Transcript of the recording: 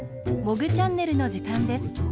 「モグチャンネル」のじかんです。